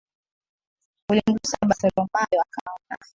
ulimgusa Batholomayo akaona.